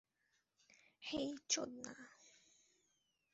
হেই, চোদনা!